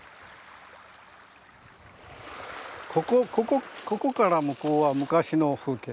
ここから向こうは昔の風景。